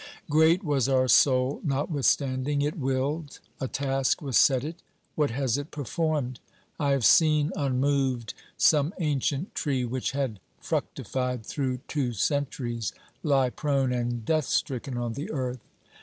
Great was our soul notwithstanding; it willed, a task was set it — what has it performed ? I have seen un moved some ancient tree, which had fructified through two centuries, lie prone and death stricken on the earth.